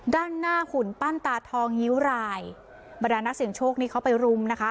ด้านหน้าหุ่นปั้นตาทองงิ้วรายบรรดานักเสียงโชคนี้เขาไปรุมนะคะ